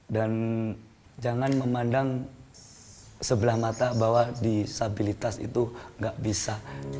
dan jangan memandang sebelah mata bahwa disabilitas itu nggak bisa